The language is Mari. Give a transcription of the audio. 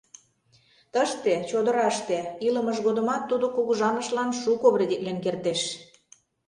Тыште, чодыраште, илымыж годымат тудо кугыжанышлан шуко вредитлен кертеш.